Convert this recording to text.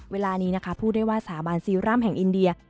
เวลานี้นะคะพูดได้ว่าสาบานซีร่ำแห่งอินเดีย